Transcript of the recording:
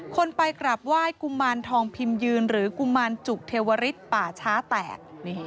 คนไปกราบไหว้กุมารทองพิมยืนหรือกุมารจุกเทวริสป่าช้าแตก